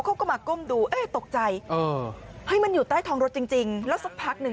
เขาก็มาก้มดูเอ๊ะตกใจเฮ้ยมันอยู่ใต้ท้องรถจริงแล้วสักพักหนึ่ง